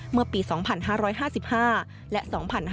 เมื่อปี๒๕๕๕และ๒๕๕๙